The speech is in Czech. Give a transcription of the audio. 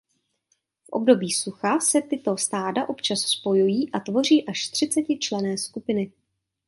V období sucha se tyto stáda občas spojují a tvoří až třiceti členné skupiny.